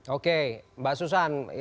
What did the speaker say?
oke mbak susan